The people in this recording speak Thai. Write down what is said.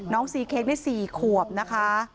น้องซีเค้กได้๔ขวบนะคะ